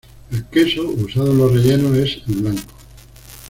El queso usado en los rellenos es el blanco.